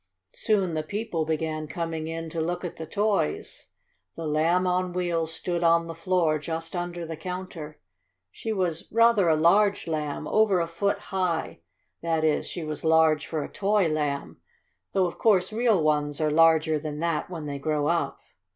Soon the people began coming in to look at the toys. The Lamb on Wheels stood on the floor just under the counter. She was rather a large lamb, over a foot high that is, she was large for a toy lamb, though of course real ones are larger than that when they grow up.